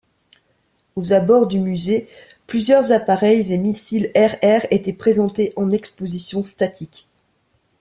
Aux abords du musée, plusieurs appareils et missiles air-air étaient présentés en exposition statique.